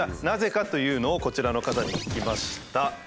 なぜかというのをこちらの方に聞きました。